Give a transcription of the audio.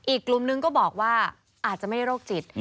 อีกกลุ่มนึงก็บอกว่าอาจจะไม่ได้โรคจิต